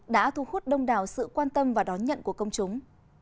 đã thu hút đông đảo sự quan tâm và đón nhận của công chúng